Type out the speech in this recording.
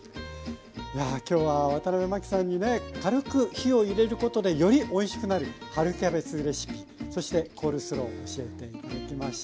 今日はワタナベマキさんにね軽く火を入れることでよりおいしくなる春キャベツレシピそしてコールスロー教えて頂きました。